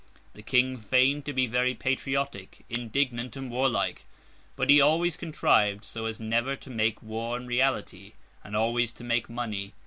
The King feigned to be very patriotic, indignant, and warlike; but he always contrived so as never to make war in reality, and always to make money.